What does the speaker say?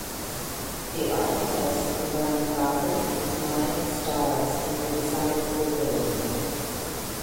The architects combined Gothic and modern styles in the design of the building.